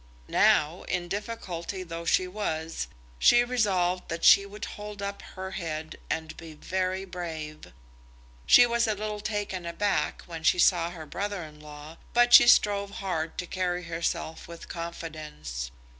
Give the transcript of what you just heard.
Now, in difficulty though she was, she resolved that she would hold up her head and be very brave. She was a little taken aback when she saw her brother in law, but she strove hard to carry herself with confidence.